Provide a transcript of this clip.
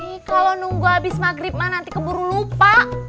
ih kalo nunggu abis maghrib mah nanti keburu lupa